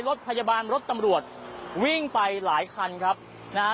รถพยาบาลรถตำรวจวิ่งไปหลายคันครับนะฮะ